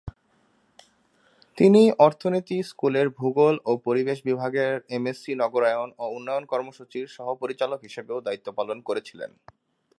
তিনি অর্থনীতি স্কুলের ভূগোল ও পরিবেশ বিভাগের এমএসসি নগরায়ন ও উন্নয়ন কর্মসূচির সহ-পরিচালক হিসেবেও দায়িত্ব পালন করেছিলেন।